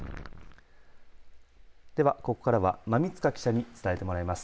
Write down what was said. ではここからは馬見塚記者に伝えてもらいます。